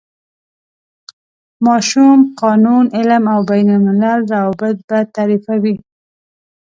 ماشوم، قانون، علم او بین الملل روابط به تعریفوي.